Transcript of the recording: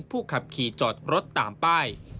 ผู้ขับขี่จอดรถตามป้าย